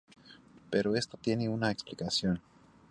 Pero esto tiene una explicación.